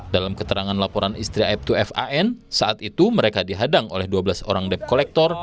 dalam keterangan laporan istri aip dua fan saat itu mereka dihadang oleh dua belas orang debt collector